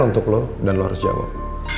untuk lo dan lo harus jawab